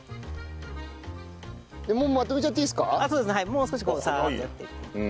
もう少しこうサーッとやって。